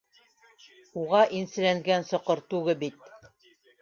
Уға инселәнгән соҡор түге бит...